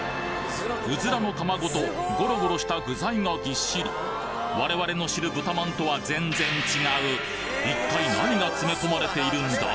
うずらの卵とごろごろした具材がぎっしり我々の知る豚まんとは全然違う一体何が詰め込まれているんだ？